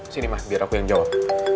sini mah biar aku yang jawab